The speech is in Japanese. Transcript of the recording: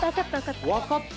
分かった。